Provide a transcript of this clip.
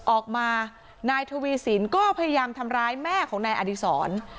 ออกมานายทวีสินก็พยายามทำร้ายแม่ของนายอดีศร